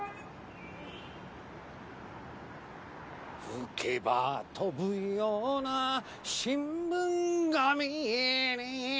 「吹けば飛ぶような新聞紙に」